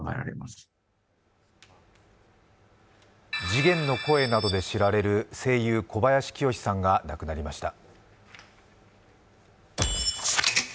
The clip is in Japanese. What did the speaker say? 次元の声などで知られる声優の小林清志さんが亡くなりました。